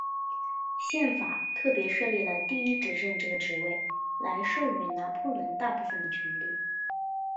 宪法特别设立了第一执政这个职位来授予拿破仑大部分的权力。